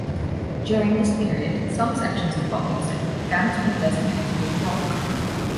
During this period some sections of pop music began to be designated as rock.